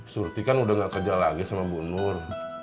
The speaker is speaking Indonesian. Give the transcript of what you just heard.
surti kan udah gak kerja lagi sama bu nur